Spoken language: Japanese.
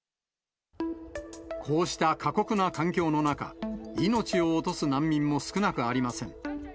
こうした過酷な環境の中、命を落とす難民も少なくありません。